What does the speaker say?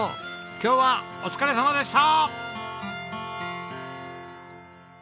今日はお疲れさまでした！